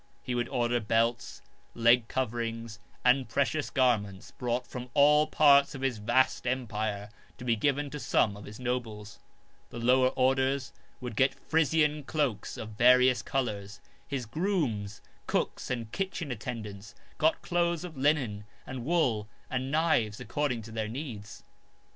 He would order belts, leg coverings and precious garments brought from all parts of his vast empire 156 HIS CHARITY to be given to some of his nobles ; the lower orders would get Frisian cloaks of various colours ; his grooms, cooks and kitchen attendants got clothes of linen and wool and knives according to their needs.